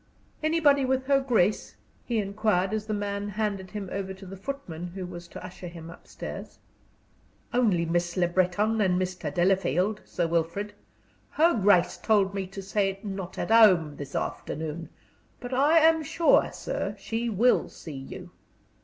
"Anybody with her grace?" he inquired, as the man handed him over to the footman who was to usher him up stairs. "Only Miss Le Breton and Mr. Delafield, Sir Wilfrid. Her grace told me to say 'not at home' this afternoon, but I am sure, sir, she will see you."